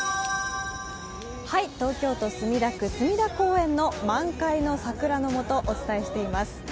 東京都墨田区、隅田公園の満開の桜のもとお伝えしています。